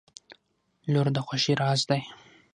• لور د خوښۍ راز دی.